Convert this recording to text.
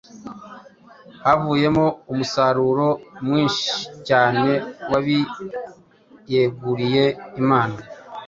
havuyemo umusaruro mwinshi cyane w’abiyeguriye Imana.